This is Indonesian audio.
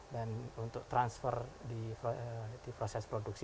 dan untuk transfer di proses produksi